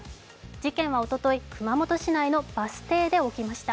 事件はおととい、熊本市内のバス停で起きました。